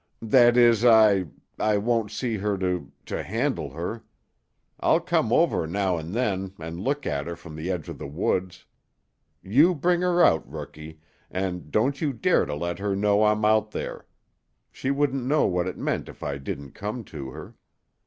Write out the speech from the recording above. "That is, I I won't see her to to handle her. I'll come over now and then an' look at her from the edge of the woods. You bring 'er out, Rookie, an' don't you dare to let her know I'm out there. She wouldn't know what it meant if I didn't come to her."